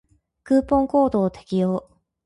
クーポンコードを適用